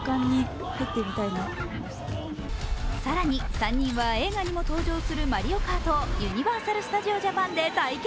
更に３人は映画にも登場するマリオカートをユニバーサル・スタジオ・ジャパンで体験。